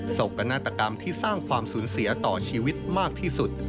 โศกนาฏกรรมที่สร้างความสูญเสียต่อชีวิตมากที่สุด